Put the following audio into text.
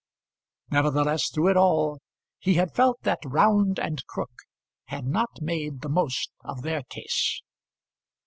Nevertheless, through it all, he had felt that Round and Crook had not made the most of their case.